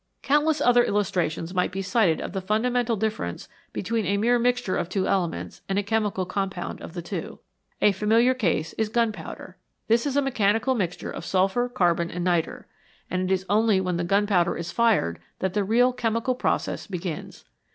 Countless other illustrations might be cited of the fundamental difference between a mere mixture of two elements and a chemical compound of the two. A familiar case is gunpowder. This is a mechanical mixture of sulphur, carbon, and nitre, and it is only when the gunpowder is fired that the real chemical process begins.